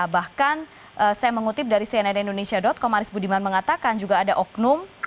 bahkan saya mengutip dari cnnindonesia com aris budiman mengatakan juga ada oknum